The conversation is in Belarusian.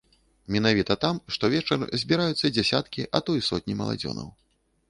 Менавіта там штовечар збіраюцца дзесяткі, а то і сотні маладзёнаў.